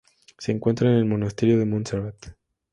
Se encuentra en el monasterio de Montserrat.